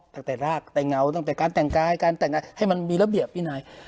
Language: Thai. ตั้งแต่รากตั้งแต่เงาตั้งแต่การแต่งกายให้มันมีระเบียบวินัย